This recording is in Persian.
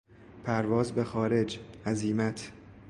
پرواز به خارج، عزیمت